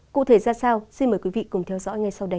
cụ thể ra sao xin mời quý vị cùng theo dõi ngay sau đây